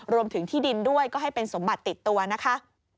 รวมถึงที่ดินด้วยก็ให้เป็นสมบัติติดตัวนะคะ